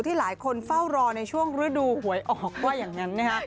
หลายคนเฝ้ารอในช่วงฤดูหวยออกว่าอย่างนั้นนะฮะ